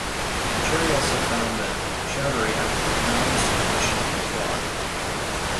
The jury also found that Choudhury acted with malice, oppression and fraud.